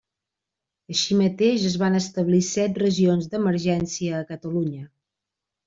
Així mateix, es van establir set regions d'emergència a Catalunya.